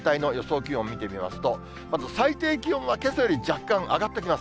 気温見てみますと、まず最低気温はけさより若干上がってきます。